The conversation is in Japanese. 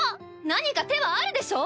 何か手はあるでしょ